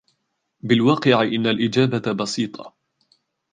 بالواقع إن الإجابة بسيطة.